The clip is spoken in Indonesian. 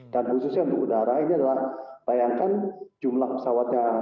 dan khususnya untuk udara ini adalah bayangkan jumlah pesawatnya